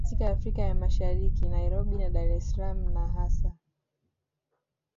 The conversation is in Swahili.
katika Afrika ya Mashariki Nairobi na Dar es Salaam na hasa